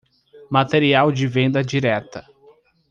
Material de venda direta